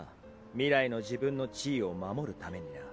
未来の自分の地位を守るためにな。